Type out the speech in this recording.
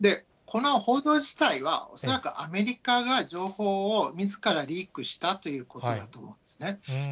この報道自体は、恐らくアメリカが情報をみずからリークしたということだと思うんですね。